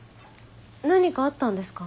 何かあったんですか？